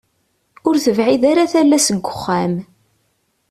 Ur tebɛid ara tala seg uxxam.